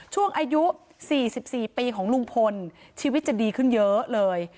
ช่วงอายุ๔๔ปีของลุงพลชีวิตจะดีขึ้นเยอะเลย